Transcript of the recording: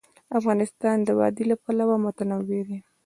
افغانستان د وادي له پلوه متنوع دی.